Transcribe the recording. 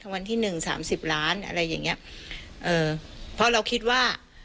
วันที่หนึ่งสามสิบล้านอะไรอย่างเงี้ยเอ่อเพราะเราคิดว่า